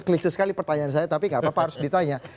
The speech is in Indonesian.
krisis sekali pertanyaan saya tapi gak apa apa harus ditanya